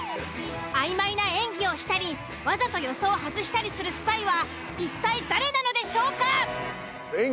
曖昧な演技をしたりワザと予想を外したりするスパイは一体誰なのでしょうか？